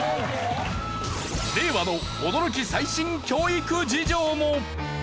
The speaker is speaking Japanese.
令和の驚き最新教育事情も！